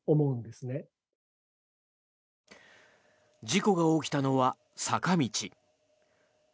事故が起きたのは坂道。